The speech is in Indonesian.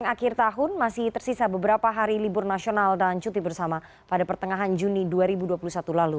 akhir tahun masih tersisa beberapa hari libur nasional dan cuti bersama pada pertengahan juni dua ribu dua puluh satu lalu